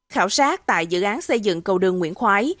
khảo sát tại dự án xây dựng cầu đường nguyễn khoái